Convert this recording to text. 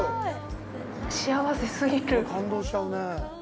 幸せすぎる。